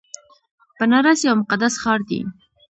بنارس یو مقدس ښار دی.